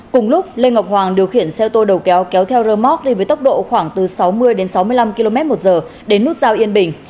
cùng lúc lê ngọc hoàng điều khiển xe ô tô đầu kéo kéo theo rơ móc đi với tốc độ khoảng từ sáu mươi đến sáu mươi năm km một giờ đến nút giao yên bình